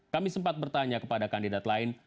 kami sempat bertanya kepada kandidat lain